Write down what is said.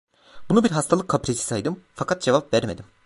Bunu bir hastalık kaprisi saydım; fakat cevap vermedim.